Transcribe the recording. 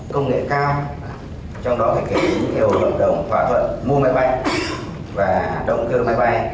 với những kinh nghiệm